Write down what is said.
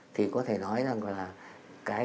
thì có thể nói rằng là cái đề án này đã đang triển khai